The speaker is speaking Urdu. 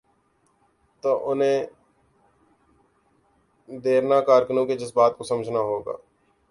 تو انہیں دیرینہ کارکنوں کے جذبات کو سمجھنا ہو گا۔